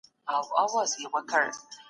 افغان سرتیري د خپلو مشرانو لارښوونې تعقیب کړې.